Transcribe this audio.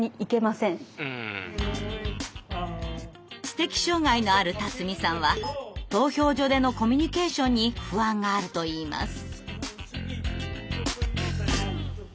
知的障害のある辰己さんは投票所でのコミュニケーションに不安があるといいます。